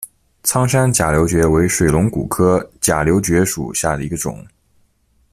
苍山假瘤蕨为水龙骨科假瘤蕨属下的一个种。